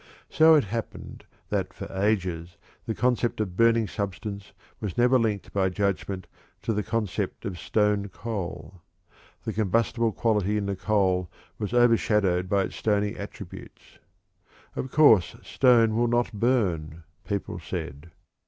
So it happened that for ages the concept of burning substance was never linked by judgment to the concept of stone coal. The combustible quality in the coal was overshadowed by its stony attributes. 'Of course stone will not burn,' people said.